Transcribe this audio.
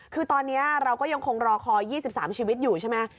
คือตอนนี้เราก็ยังคงรอคอย๒๓ชีวิตอยู่ใช่ไหม